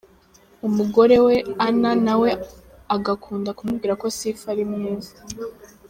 Umugore we Anna nawe agakunda kumubwira ko Sifa ari mwiza.